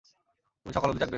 তুমি সকাল অবধি জাগবে?